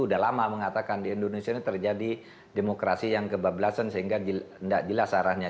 udah lama mengatakan di indonesia ini terjadi demokrasi yang kebablasan sehingga tidak jelas arahnya